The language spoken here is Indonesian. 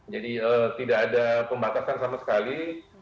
jadi tidak ada pembatasan sama sekali